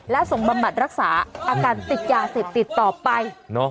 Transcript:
และส่งบำบัดรักษาอาการติดยาเสพติดต่อไป